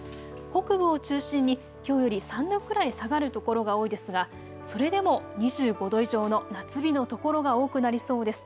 北部を中心にきょうより３度くらい下がる所が多いですが、それでも２５度以上の夏日の所が多くなりそうです。